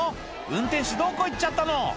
運転手どこ行っちゃったの？